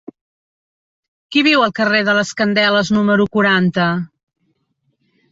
Qui viu al carrer de les Candeles número quaranta?